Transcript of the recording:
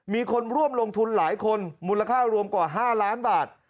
มีคนร่วมลงทุนหลายคนมูลค่ารวมกว่า๕ล้านบาท